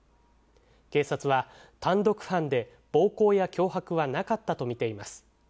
警察は、単独犯で、暴行や脅迫はなかったと見ています。